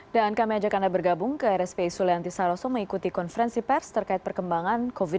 dan kami ajak anda bergabung ke rspi suleyanti saroso mengikuti konferensi pers terkait perkembangan covid sembilan belas